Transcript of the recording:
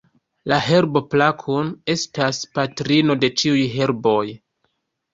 La herbo Plakun estas patrino de ĉiuj herboj.